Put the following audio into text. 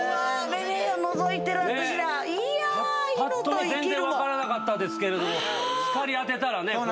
ぱっと見全然分からなかったですけど光当てたらね。